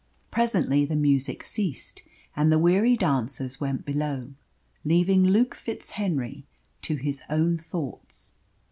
Presently the music ceased, and the weary dancers went below, leaving Luke FitzHenry to his own thoughts.